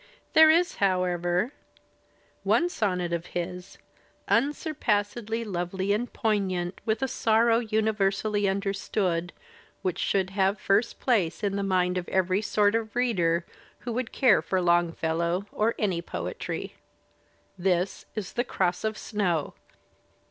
There is, however, one sonnet of his, unsurpassably Digitized by Google 106 THE SPIRIT OP AMERICAN LITERATURE lovely and poignant with a sorrow universally understood, which should have first place in the mind of every sort of reader who would care for Longfellow or any poetry. This is "The Cross of Snow."